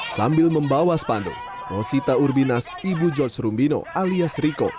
sambil membawa spanduk rosita urbinas ibu george rumbino alias riko